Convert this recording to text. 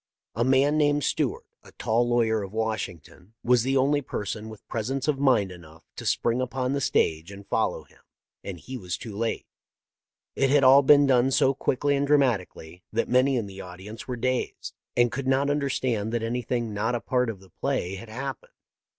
A man named Stewart, a tall lawyer of Washington, was the only person with presence of mind enough to spring upon the stage and follow him, and he was too late. " It had all been done so quickly and dramati cally that many in the audience were dazed, and could not understand that anything not a part of the play had happened.